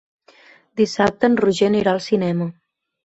Dissabte en Roger anirà al cinema.